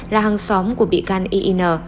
là hàng xóm của bị can iin